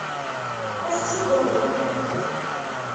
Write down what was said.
Ad s-tt-id-awin?